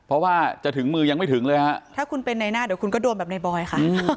เพราะว่าจะถึงมือยังไม่ถึงเลยฮะถ้าคุณเป็นในหน้าเดี๋ยวคุณก็โดนแบบในบอยค่ะ